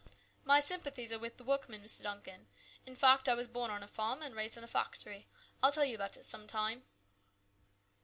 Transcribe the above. " My sympathies are with the workmen, Mr. Duncan. In fact I was born on a farm and raised in a factory. I'll tell you about it some time."